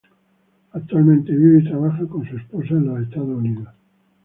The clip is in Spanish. Actualmente vive y trabaja con su esposa en Estados Unidos.